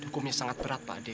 hukumnya sangat berat pak ade